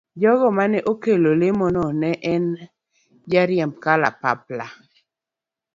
Jago mane okelo lemo no ne en jariemb kalapapla.